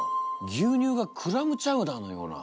ぎゅうにゅうがクラムチャウダーのような。